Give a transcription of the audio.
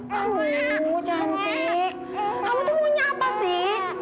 kamu cantik kamu tuh muunya apa sih